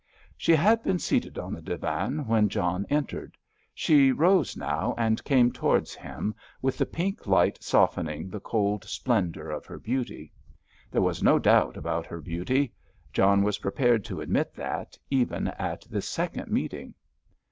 She had been seated on the divan when John entered. She rose now and came towards him, with the pink light softening the cold splendour of her beauty. There was no doubt about her beauty—John was prepared to admit that even at this second meeting.